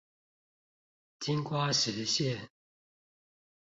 金瓜石線